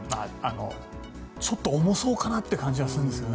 ちょっと重そうかな？という感じもするよね。